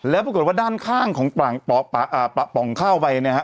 แล้วปรากฏว่าด้านข้างของป่องเข้าไปเนี่ยฮะ